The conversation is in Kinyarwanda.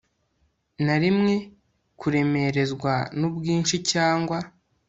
na rimwe kuremerezwa nubwinshi cyangwa